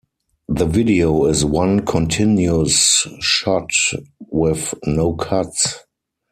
The video is one continuous shot with no cuts.